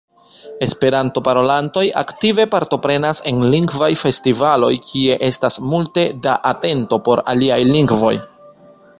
Esperanto-parolantoj aktive partoprenas en lingvaj festivaloj kie estas multe da atento por aliaj lingvoj.